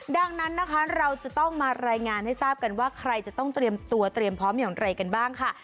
ดังนั้นนะคะเราจะต้องมารายงานให้ทราบกันว่าใครจะต้องเตรียมตัวเตรียมพร้อมอย่างไรกันบ้างค่ะ